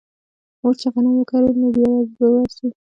موږ چې غنم وکرو نو بيا به ورځو